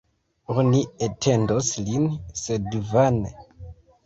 Oni atendos lin, sed vane.